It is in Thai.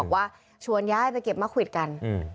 ว่าชวนย้ายไปเก็บมะควิดกัน